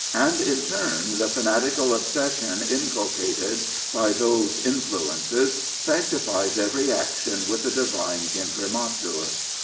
And in turn the fanatical obsession inculcated by those influences sanctifies every action with the divine imprimatur.